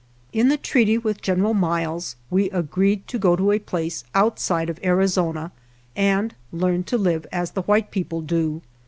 In the treaty with General Miles we agreed to go to a place outside of 21$ GERONIMO Arizona and learn to live as the white people do.